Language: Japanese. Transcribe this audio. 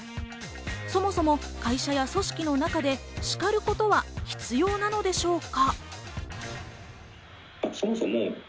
そもそも会社や組織の中で叱ることは必要なのでしょうか？